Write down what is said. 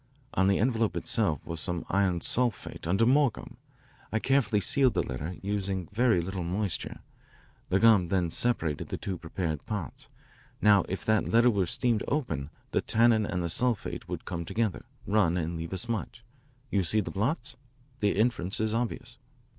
On the envelope itself was some iron sulphate under more gum. I carefully sealed the letter, using very little moisture. The gum then separated the two prepared parts. Now if that letter were steamed open the tannin and the sulphate would come together, run, and leave a smudge. You see the blots? The inference is obvious."